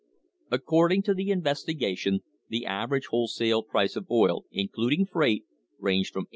According to the investigation the average wholesale price of oil, including freight, ranged from 8.